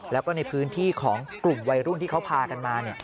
แล้วก็ในพื้นที่ของกลุ่มวัยรุ่นที่เขาพากันมา